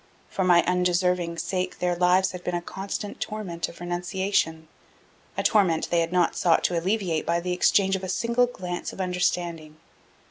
For my undeserving sake their lives had been a constant torment of renunciation a torment they had not sought to alleviate by the exchange of a single glance of understanding.